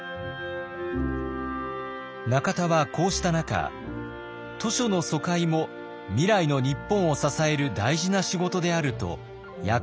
中田はこうした中「図書の疎開も未来の日本を支える大事な仕事である」と役所を説得。